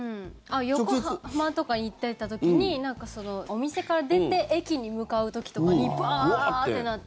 横浜とかに行っていた時にお店から出て駅に向かう時とかにブワーッてなって。